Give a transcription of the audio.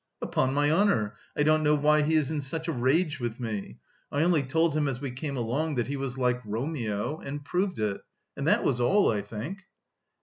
"Upon my honour I don't know why he is in such a rage with me. I only told him as we came along that he was like Romeo... and proved it. And that was all, I think!"